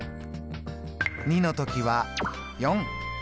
２の時は４。